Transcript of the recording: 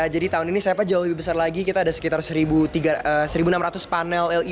jadi tahun ini saya jauh lebih besar lagi kita ada sekitar satu enam ratus panel led